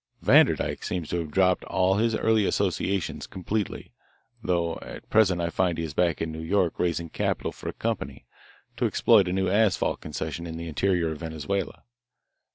"Vanderdyke seems to have dropped all his early associations completely, though at present I find he is back in New York raising capital for a company to exploit a new asphalt concession in the interior of Venezuela.